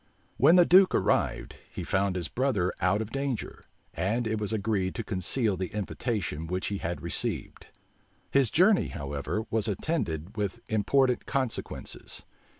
When the duke arrived, he found his brother out of danger; and it was agreed to conceal the invitation which he had received. His journey, however, was attended with important consequences.